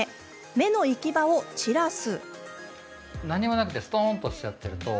目の行き場を散らす。